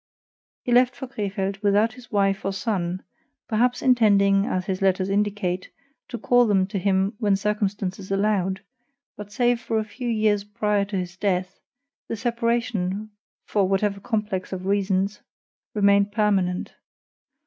He left for Crefeld without his wife or son perhaps intending, as his letters indicate, to call them to him when circumstances allowed; but save for a few years prior to his death, the separation, for whatever complex of reasons, remained permanent.